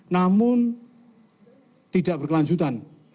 namun tidak berkelanjutan